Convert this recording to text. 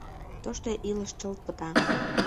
Тошто илыш чылт пыта